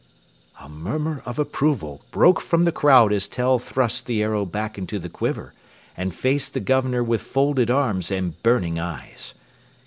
A murmur of approval broke from the crowd as Tell thrust the arrow back into the quiver and faced the Governor with folded arms and burning eyes.